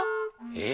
え？